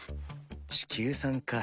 地球産か。